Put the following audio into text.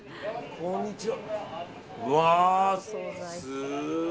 こんにちは。